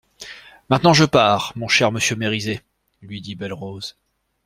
Maintenant je pars, mon cher monsieur Mériset, lui dit Belle-Rose.